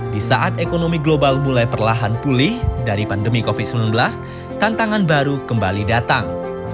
di saat ekonomi global mulai perlahan pulih dari pandemi covid sembilan belas tantangan baru kembali datang